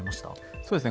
そうですね